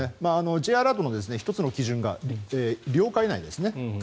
Ｊアラートの１つの基準が領海内ですね。